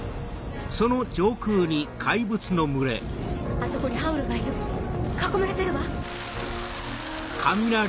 あそこにハウルがいる囲まれてるわ！